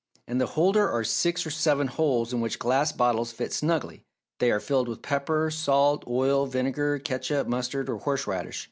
In the holder are six or seven holes in which glass bottles fit snugly. They are filled with pepper, salt, oil, vinegar, catsup, mustard or horseradish.